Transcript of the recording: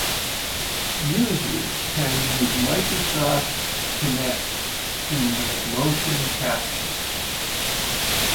Users can use Microsoft Kinect to make motion captures.